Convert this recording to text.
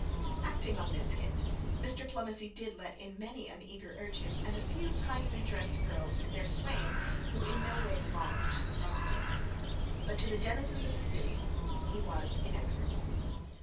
Acting on this hint, Mr Plomacy did let in many an eager urchin, and a few tidily dressed girls with their swains, who in no way belonged to the property. But to the denizens of the city he was inexorable.